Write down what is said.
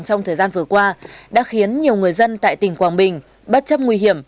trong thời gian vừa qua đã khiến nhiều người dân tại tỉnh quảng bình bất chấp nguy hiểm